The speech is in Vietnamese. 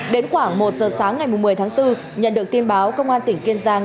đến khoảng một giờ sáng ngày một mươi tháng bốn nhận được tin báo công an tỉnh kiên giang